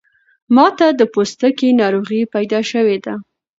ماته د پوستکی ناروغۍ پیدا شوی ده